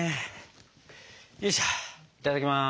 いただきます！